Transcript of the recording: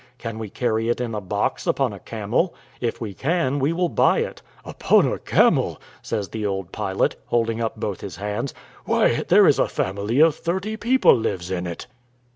Can we carry it in a box upon a camel? If we can we will buy it." "Upon a camel!" says the old pilot, holding up both his hands; "why, there is a family of thirty people lives in it."